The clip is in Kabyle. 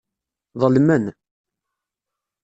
Ḍelmen.